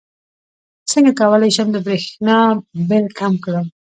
څنګه کولی شم د بریښنا بل کم کړم